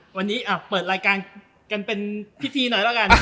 วันนี้เปิดรายการกันเป็นพิธีหน่อยแล้วกัน